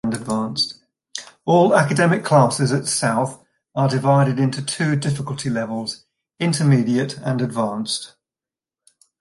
All academic classes at South are divided into two difficulty levels: Intermediate, and Advanced.